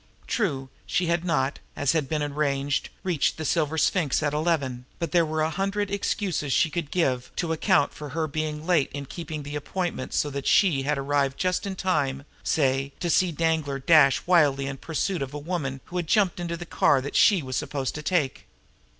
True, she had not, as had been arranged, reached the Silver Sphinx at eleven, but there were a hundred excuses she could give to account for her being late in keeping the appointment so that she had arrived just in time, say, to see Danglar dash wildly in pursuit of a woman who had jumped into the car that she was supposed to take!